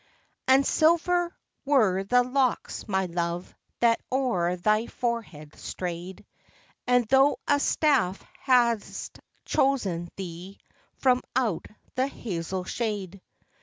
203 And silver were the locks, my love, that o'er thy fore¬ head strayed, And thou a staff hadst chosen thee, from out the hazel shade.